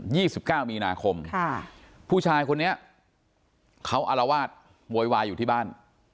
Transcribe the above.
สิบเก้ามีนาคมค่ะผู้ชายคนนี้เขาอารวาสโวยวายอยู่ที่บ้าน